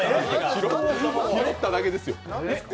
拾っただけですよ。